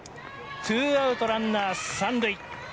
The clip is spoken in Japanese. ツーアウト、ランナー３塁。